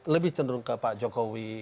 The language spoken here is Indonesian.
lebih terdiri dari pak jokowi